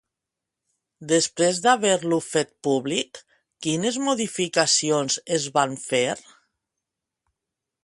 Després d'haver-lo fet públic, quines modificacions es van fer?